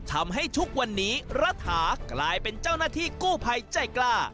ทำให้ทุกวันนี้รัฐากลายเป็นเจ้าหน้าที่กู้ภัยใจกล้า